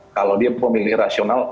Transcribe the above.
kalau dia pemilih rasional